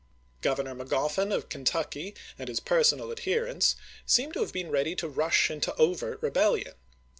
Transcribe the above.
Governor Magoffin of Kentucky and his personal adherents seem to have been ready to rush into overt rebellion.